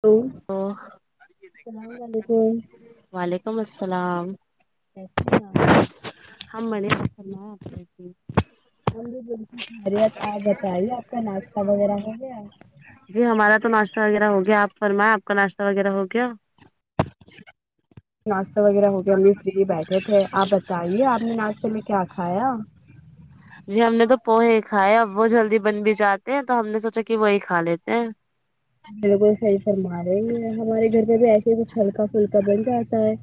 hello او اسلام علیکم وعلیکم السلام کیسی ہیں آپ [inaudible] ہم بھی بالکل خیریت آپ بتائیے آپ کا ناشتہ وغیرہ ہو گیا جی ہمارا تو ناشتہ وغیرہ ہو گیا آپ فرمائیں آپ کا ناشتہ وغیرہ ہو گیا ناشتہ وغیرہ ہو گیا ہم بھی فری بیٹھے تھے آپ بتائیے آپ نے ناشتے میں کیا کھایا جی ہم نے تو پوہے ہی کھائے ہے اب وہ جلدی بن بھی جاتے ہیں تو ہم نے سوچا کہ وہی کا لیتے ہیں جی صحیح فرما رہی ہیں ہمارے گھر میں بھی ایسے ہی کچھ ہلکا پھلکا بن جاتا ہے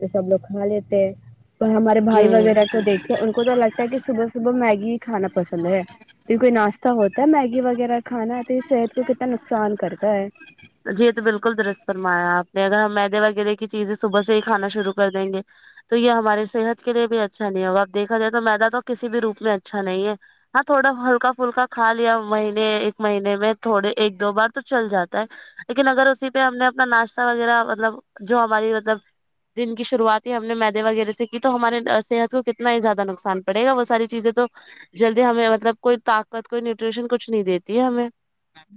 تو سب لوگ کھا لیتے ہیں تو ہمارے بھائی جی وغیرہ کو دیکھ ان کو تو لگتا ہے کہ صبح صبح میگی کھانا پسند ہے یہ کوئی ناشتہ ہوتا ہے میگی وغیرہ کھانا یہ تو صحت کو کتنا نقصان کرتا ہے جی تو بالکل درست فرمایا آپ نے اگر ہم میدے وغیرہ کی چیزیں صبح سے ہی کھانا شروع کر دیں گے تو یہ ہمارے صحت کے لیے بھی اچھا نہیں ہوگا اپ دیکھا جائے تو میدا تو کسی بھی روپ میں اچھا نہیں ہے ہاں تھوڑا ہلکا پھلکا کھا لیا مہینے ایک مہینے میں تھوڑے ایک دو بار تو چل جاتا ہے لیکن اگر اسی پہ ہم نے اپنا ناشتہ وغیرہ مطلب جو ہماری مطلب دن کی شروعات ہی ہم نے میدے وغیرہ سے کی تو ہمارے صحت کو کتنا ہی زیادہ نقصان پڑے گا وہ ساری چیزیں تو جلدی ہمیں مطلب کوئی طاقت کوئی نیوٹریشن کچھ نہیں دیتی ہے ہمیں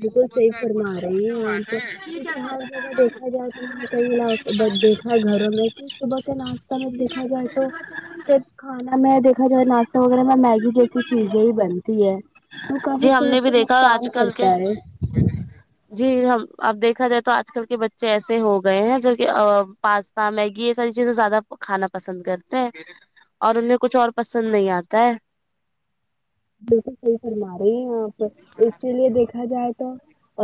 بالکل صحی فرما رہے نہیں کو کیونکہ ہر جگہ دیکھا جائے تو [unintelligible] گھروں میں صبح کے ناشتہ میں دیکھا جائے تو پھر کھانا میں دیکھا جائے ناشتہ وغیرہ میں میگی جیسی چیزیں ہی بنتی ہے وہ کافی صحت کو نقصان کرتا ہے کو [unintelligible] جی ہم اب دیکھا جائے تو آج کل کے بچے ایسے ہو گئے ہیں جو کہ پاس ہاں میگی یہ ساری چیزیں زیادہ کھانا پسند کرتے ہیں اور انہیں کچھ اور پسند نہیں آتا ہے بالکل صحیح فرما رہی ہیں آپ اسی لیے دیکھا جائے تو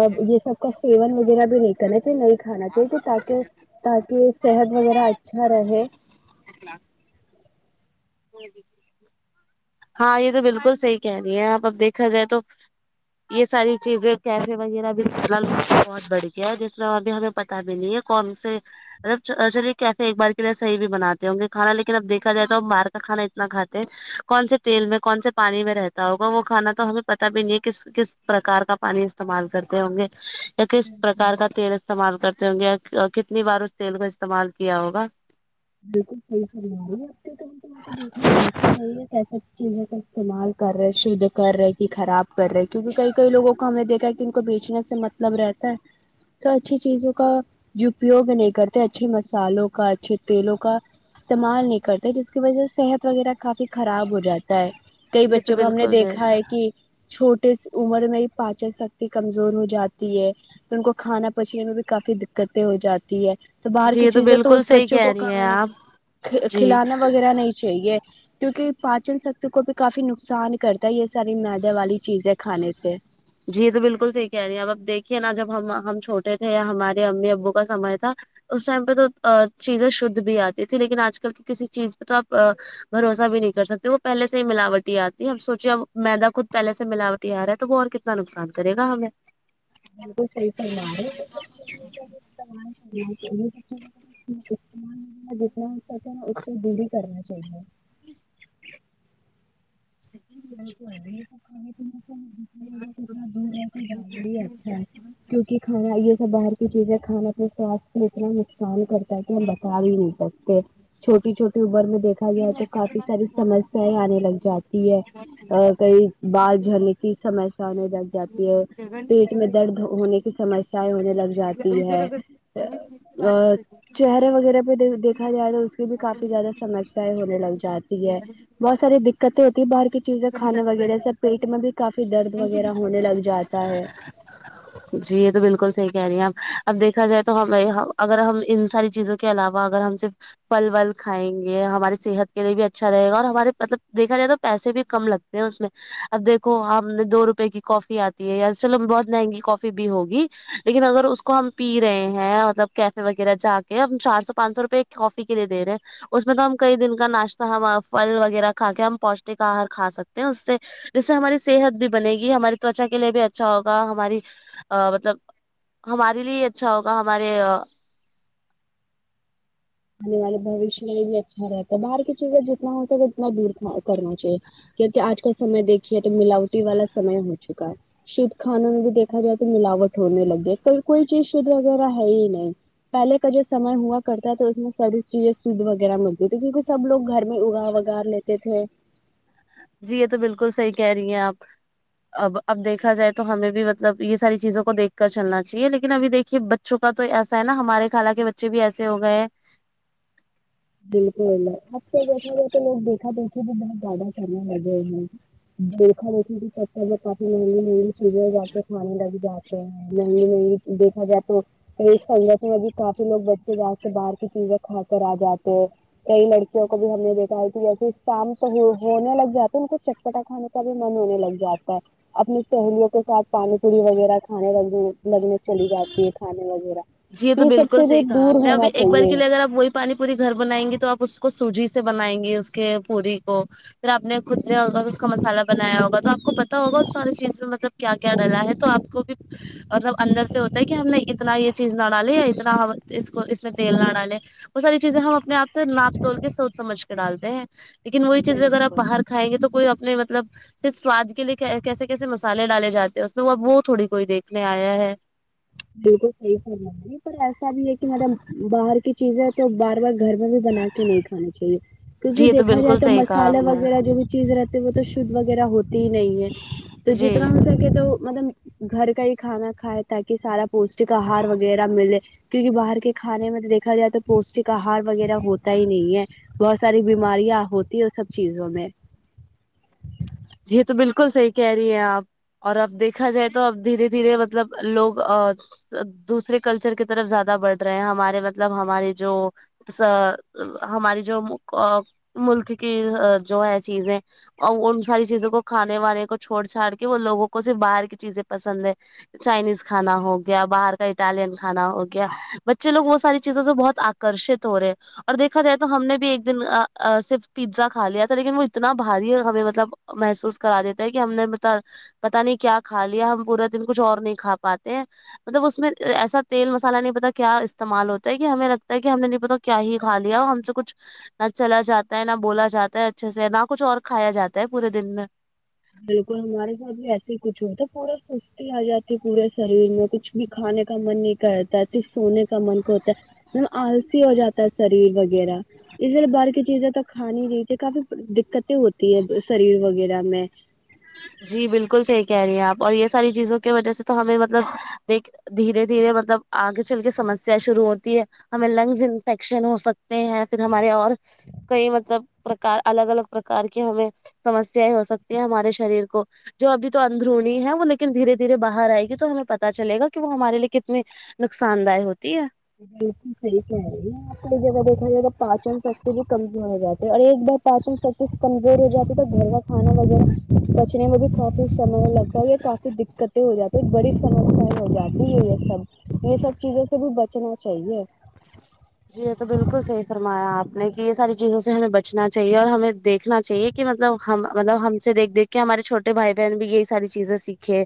اب یہ سب کا سیون وغیرہ بھی نہیں کرنا چاہیے نہیں کھانا چاہیے تاکہ تاکہ صحت وغیرہ اچھا رہے ا [inaudible] نہیں جی ہاں یہ تو بالکل صحیح کہہ رہی ہیں آپ اب دیکھا جائے تو یہ ساری چیزیں کیفے وغیرہ بے حلال بہت بڑھ گیا ہے جس میں ابھی ہمیں پتا بھی نہیں ہے کون سے ج چلیے کیسے ایک بار کے لیے صحیی بھی بنے ہوں گے کھانا لیکن اب دیکھا جائے تو ہم باہر کا کھانا اتنا کھاتے ہے کون سے تیل میں کون سے پانی میں رہتا ہوگا وہ کھانا تو ہمیں پت بھی نہیں ہے کس کس پرکار کا پانی استعمال کرتے ہوں گے یا کس پرکار کا تیل استعمال کرتے ہوں گے یا کتنی بار اس تیل کا استعمال کیا ہوگا بالکل صحیح صحیح آ رہی ہے ابتے تو ہم تو وہاں پ کو دیکھنا جاہے نہیں ہے کی سب چیزوں کا استعمال کر رہے شدھ کر رہے کی خراب کر رہے کیونکہ کئی کئی لوگوں کو ہم نے دیکھا ہے کہ ان کو بیچنے سے مطلب رہتا ہے تو اچھی چیزوں کا جو اپیوگ نہیں کرتے اچھے مسالوں کا اچھے تیلوں کا استعمال نہیں کرتے جس کی وجہ سے صحت وغیرہ کافی خراب ہو جاتا ہے کئی یہ تو بچوں کو ہم نے بالکل دیکھا ہے کہ چھوٹے عمر میں ہی پاچن شکتی کمزور ہو جاتی ہے تو ان کو کھانا پچنے میں بھی کافی دقتیں ہو جاتی ہے تو باہر جی کی یہ چیزیں تو بالکل اس بچے صحیح کہہ چوکو رہی ہیں کھانے آپ کے جی کھلانے وغیرہ فرا نہیں چاہیے کیونکہ پانچ ستو کو بھی کافی نقصان کرتا ہے یہ ساری مدے والی چیزیں کھانے سے جی یہ تو بالکل صحی کہہ رہی ہیں اب اب دیکھیے نا جب ہم ہم چھوٹے تھے یا ہمارے امی ابو کا سمے تھا اس ٹائم پہ تو چیزیں شدھ بھی آتی تھی لیکن آج کل کی کسی چیز پہ تو آپ بھروسہ بھی نہیں کر سکتی وہ پہلے ہی ملاوٹ آتی ہے اب سوچے اب میدا خود پہلے سے ملاوٹی آ رہا ہے تو وہ اور کا نقصان کرے گایں ہمیں بالکل صحیح فرمارے ہے صحیح استعمال کرنا چاہیے کیونکہ [inaudible] پیسے نا اٹھتے دے دی کرنا چاہیے صحیح ہے بالکل یہ سب کھانے پینے کا اتنا دور ہے تو زیادہ ہی اچھا ہے کیونکہ کھانا یہ سب باہر کی چیزیں ہے کھانا تو سواست کو اتنا نقصان کرتا ہے کہ ہم بتا بھی نہیں سکتے چھوٹی چھوٹی اوبر میں دیکھا یا تو کافی ساری سمسیایں آنے لگ جاتی ہے کئی کئی بال جلنے کی سمس آنے لگ جاتی ہے پیٹ میں درد ہو ہونے کی سمسیایں ہونے لگ جاتی ہے اور چہرے وغیرہ پہ دیکھا جائے تو اس کی بھی کافی زیادہ سمسیایں ہونے لگ جاتی ہے بہت ساری دقتیں ہوتی باہر کی چیزیں اتنی کھانے زیادہ بیٹھ وغیرہ سے جاؤ پیٹ میں بھی کافی درد ان کی وغیرہ ہونے لگ جاتا ہے جی یہ تو بالکل صحیح کہہ رہی ہیں آپ اب دیکھا جائے تو ہم اگر ہم ان ساری چیزوں کو کے علاوہ اگر ہم صف پھل ول کھائیں گے ہماری صحت کے لیے بھی اچھا رہے گا اور ہمارے مطلب دیکھا جائے تو پیسے بھی کم لگ اس میں اب دیکو ہم نے دو روپے کی کافی آتی ہے یار چلو بہت مہنگی کافی بھی ہوگی لیکن اگر اس کو ہم پی رہے ہیں مطلب کیفے وغیرہ جا کے ہم چار سو پانچ سو روپئے کافی کے لیے دے رہے ہیں اس میں تو ہم کئی دن کا ناشتہ ہم فھل وغیرہ کھا کے ہم پوشٹک آہار کھا سکتے ہیں اس سے جس سے ہماری صحت بھی بنے گی ہماری توچا کے لیے بھی اچھا ہوگا ہماری ا مطلب ہمارے لیے اچھا ہوگا ہمارے آنے والے بھشیہ میں بھی اچھا رہتا ہے باہر کی چیزیں جتنا ہوتا اتنا دور کرنا چاہیے کیونکہ آج کال سمے دیکھیے تو ملاوٹی والا سمے ہو چکا ہے شھ کھانوں میں بھی دیکھا جائے تو ملاوٹ ہونے لگ گی کوئی چیز شھ وغیرہ ہے ہی نہیں پہلے کا جو سمے ہوا کرتا تو اس میں ساری چیزیں شدھ وغیرہ ملتی تھی کیونکہ سب لوگ گھر میں اگا وگا لیتے تھے جی یہ تو بالکل صحیح کہہ رہی ہیں آپ اب اب دیکھا جائے تو ہمیں بھی مطلب یہ ساری چیزوں کو دیکھ کر چلنا چاہیے لیکن ابھی دیکھیے ب چھکا تو ایسا ہے نا ہمارے خال کے بچے بھی ایسے ہو گئے ہیں بالکل اب تو جیسا ہو تو لوگ دیکھا دیکھے بھی بہت زیادہ کرنے لگے دیکھا دھی بھی چچ پ ملی مل چزے جا کے کھانے لگ جاتے ہیں مہنگے مہنگے دیکھا جائے تو تو اس سگ میں بھی کافی لوگ بچے جا سے باہر کی چیزیں کھا کر آ جاتے ہیں کئی لڑکیوں کو بھی ہم نے دیکھا ہے کہ جیسے شام تو ہونے لگ جاتے ان کو چٹپٹا کھانے سبھی من ہونے لگ جاتا ہے اپنی سہیلیوں کے ساتھ پانی پوری وغیرہ کھانے لگنے لگنے چلی جاتی ہے کھانے وغیرہ جی یہ تو سب بالکل سے بھی صح کہا آپ دور نے ہونا ابھی ایک بار چاہیے کے لیے اگرپ وہی پانی پوری گھر بنائیں گی تو آپ اس کو سوجی سے بنائیں گے اس کے پوری کو پھر آپ نے خود اس کا مسالہ بنایا ہوگا تو آپ کو پتتا ہوگا اس ساری چیز میں مطلب کیا کیا ڈلا ہے تو آپ کو بھی مطلب اندر سے ہوتا ہے کہ ہم نے اتنا یہ ڈ لے یا اتنا اس کو اس میں تیل نہ ڈ لے وہت ساری چیزیں ہم اپنے آپ سے ناپ توول کے سوچ سمجھ کے ڈالتے ہیں لیکن وہی چیزیں اگر آپ باہر کائیں گے تو کوئی اپنے مطلب سواد کے لیے کیسے کیسے مسالے ڈالے جاتے ہیں اس میں وہ اب وہ تھوڑی کوئی دیکھنے آیا ہے بالک صح کر ہے پر ایسا بھی ہے کہ مطلب باہر کی چیزیں تو بار بار گھر میں بھی بنا کے نہیں کھانی چاہیے جی کیونکہ یہ دیکھا جائے بالکل تو صحیح کہا مسالے آپ نے وغیرہ جو بھی چیز رہتی وہ تو شھ وغیرہ ہوتی ہی نہیں ہے تو جتنا جی م تو مطلب گھر کا ہی کھانا کھائے تاکہ سارا پوشٹک آہار وغیرہ ملے کیونکہ باہر کے کھانے میں تو دیکا جائے تو پوشٹک آہار وغیرہ ہوتا ہی نہیں ہے بہت ساری بیماریاں ہوتی ہے سب چیزوں میں یہی تو بالکل صحیح کہہ رہی ہیں آپ اور اب دیکھا جائے تو اب دھیرے دھیرے مطلب لوگ دوسرے کلچر کی طرف زیادہ بڑھ رہے ہیں ہمارے مطلب ہمارے جو ہماری جو ملک کی جو ہے چیزیں اور ان ساری چیزوں کو کھانے وانے کو چھوڑ چھاڑ کے وہ لوگوں کو صرف باہر کی چیزیں پسند ہے چائنیز کھانا ہو گیا باہر کا اٹالین کھانا ہو گیا بچے لوگ وہ ساری چیزیں جو بہت کررشے توورے اور دیکھا جائے تو ہم نے بھی ایک دن صرف پیزا کھا لیا تھا لیکن وہ اتنا بھاری ہمیں مطلب محسوس کرا دیتا ہے کہ ہم نے ب پتا نہیں کیا کھا لیا ہم پورا دن کچھ اور نہیں کھا پاتے ہیں مطلب اس میں ایسا تیل مسالہ نہیں پتا کیا استعمال ہوتا ہے کہ ہمیں لگتا ہے کہ ہم نے نہیں پتا کیا ہی کھا لیا اور ہم سے کچھ نہ چلا جاتا ہے نہ بولا جاتا ہے اچھے سے نہ کچھ اور کھایا جاتا ہے پورے دن میں بالکل ہمارے ساتھ بھی ایسے ہی کچھ ہوتا پورا سستی آ جاتی پورے شریر میں کچھ بھی کھانے کا من نہیں کرتا سونے کا کا من کو ہوتا ہے مطلب آلسی ہو جاتا ہے شریر وغیرہ جی اھر بار کی چیزیں تو کھاانی رہ تھی کافی دقتیں ہوتی ہے شریر وغیرہ میں جی بالکل صحیح کہہ رہی ہیں آپ اور یہ ساری چیزوں کی وجہ سے تو ہمیں مطلب دیکھ دھیرے دھیرے مطلب آگے چل کے سمسیا شروع ہوتی ہے ہمیں لنگز انفیکشن ہو سکتے ہیں پھر ہمارے اور کئی مطلب پرکار الگ الگ پرکار کی ہمیں سمسیایں ہو سکتی ہیں ہمارے شریر کو جو ابھی تو اندرونی ہے وہ لیکن دھیرے دھیرے باہر آئے گی تو ہمیں پتا چلے گا کہ وہ ہمارے لیے کتنے نقصان دہ ہوتی ہے بالکل صحی کہہ رہ ہے یہ آنی جگہ دیکھا جائے تو پاچن شکتی بھی کمزور ہو جاتی ہے اور یہ پاچن سبچ کمزور ہو جاتی تو گھر کا کھانا وغیرہ بچنے میں بھی کافی سمے لگتا ہے یا کافی دقتیں ہو جاتی ایک بڑی سمسیا ہو جاتی ہے یہ سب یہ سب چیزوں سے بھی بچنا چاہیے ہوں جی یہ تو بالکل صحیح فرمایا آپ نے کہ یہ ساری چیزوں سے ہمیں بچنا چاہیے اور ہمیں دیکھنا چاہیے کہ مطلب ہم مطلب ہم سے دیکھ دھ کے ہمارے چھوٹے بھائی بہن بھی یہی ساری چیزیں سیکھے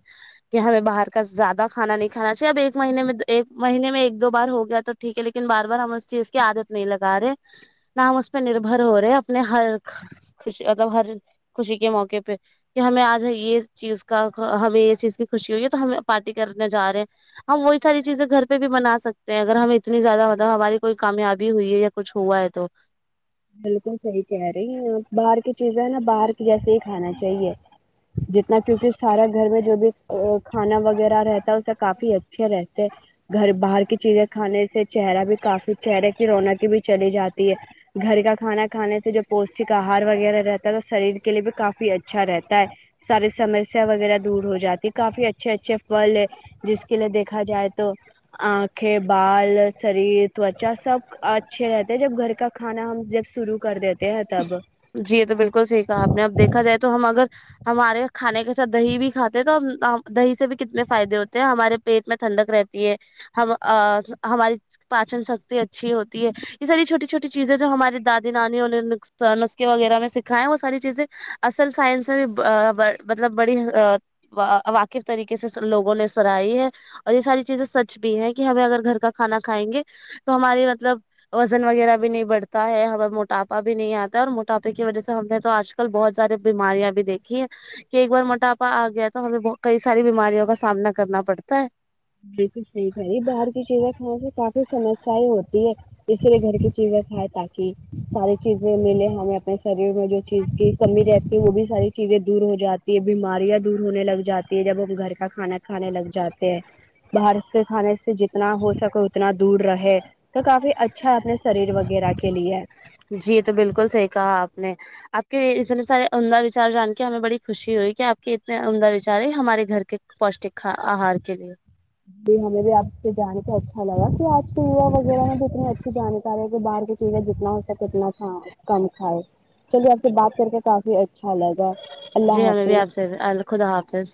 کہ ہمیں باہر کا زیادہ کھانا نہیں کھانا چاہیے اب ایک مہینے میں ایک مہینے میں ایک دو بار ہو گیا تو ٹھیک ہے لیکن بار بار ہم اس چیز کی عادت نہیں لگا رہے ن ہم اس پہ نربھر ہو رہے اپنے ہر خوش مطلب ہر خوشی کے موقع پہ کہ ہمیں آج یہ چیز کا ہمیں یہ چیز کی خوشی ہوئی ہے تو ہم پارٹی کرنے جا رہے ہیں ہم وہی ساری چیزیں گھر پہ بھی بنا سکتے ہیں اگر ہم اتنی زیادہ متاب ہماری کوئی کامیابی ہوئی ہے یا کچھ ہوا ہے تو بالکل صحیح کہہ رہی ہیں آپ باہر کی چیزیں ہے نا باہر کے جیسے ہی کھانا چاہیے جتنا کیونکہ سارا گھر میں جو بھی کھانا وغیرہ رہتا ہے اس سے کافی اچھے رہتے گھر باہر کی چیزیں کھانے سے چہرہ بھی کافی چہرے کی رونقی بھی چلی جاتی ہے گھر کا کھانا کھانے سے جو پوشٹک آہار وغیرہ رہتا ہے تو شریر کے لیے بھی کافی اچھا رہتا ہے ساری سمسیا وغیرہ دور ہو جاتی کافی اچھے اچھے فل ہے جس کے لیے دیکھا جائے تو آنکھیں بال شریر تچا سب اچھے رہتے جب گھر کا کھانا ہم جب شروع کر دیتے ہیں تب جی یہ تو بالکل سیکھا آپ نے اب دیکھا جائے تو ہم اگر ہمارے کھانے کے ساتھ دہی بھی کاتے تو دہی سے بھی کتنے فائدے ہوتے ہیں ہمارے پیٹ میں ٹھنڈک رہتی ہے ہم ہماری پاچن سکتی اچھی ہوتی ہے یہ ساری چھوٹی چھوٹی چیزیں جو ہماراری دادی نانیوں نسخے وغیرہ میں سکھائےیں وہ ساری چیزیں اصل سائنس میں بھی مطلب بڑی واقف طریقے سے لوگوں نے سرائی ہے اور یہ ساری چیزیں سچ بھی ہیں کہ ہمیں اگر گھر کا کھانا کھائیں گے تو ہماری مطلب وزن وغیرہ بھی نہیں بڑھتا ہے ہم موٹاپا بھی نہیں آتا اور موٹاپے کی وجہ سے ہم نے تو آج کل بہت ساری بیماریاں بھی دیکھی ہیں کہ ایک بار موٹاپا آ گیا تو ہمیں کئی ساری بیماریوں کا سامنا کرنا پڑتا ہے بالکل ییک ہے یہ باہر کی چیزیں کھانے سے کافی سمسیا ہوتی اس لیے گھر کی چیزیں کھائائے تاکہ ساری چیزیں ملیں ہمیں اپنے شریر میں جو چیز کی کمی رہتی ہے وہ بھی ساری چیزیں دور ہو جاتی یہ بیماریاں دور ہونے لگ جاتی ہے جب ہم گھر کا کھانا کھانے لگ جاتے ہیں باہر کے کھانے سے جتنا ہو سکے اتنا دور رہے تو کافی اچھا اپنے شریر وغیرہ کے لیے جی تو بالکل صحیح کہا آپ نے آپ کے اتنے سارے عمدہ وچار جان کے ہمیں بڑی خوشی ہوئی کہ آپ کے اتنے عمدہ وچار ہے ہمارے گھر کے پوشٹک کھا ا ہر کے ج ہمیں بھی آپ سے جان کو اچھا لگا کہ آج کے یوا وغیرہ میں بھی اتنی اچھی جانکاری کہ باہر کے ہے جتنا ہو سکے اتنا کم کھائے چلیے آپ سے بات کر کے کافی اچھا لگا جی اللہ ہمیں بھی حافظ آپ سے ال خدا حافظ